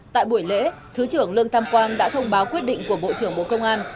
tại buổi lễ thứ trưởng lương tam quang đã thông báo quyết định của bộ trưởng bộ công an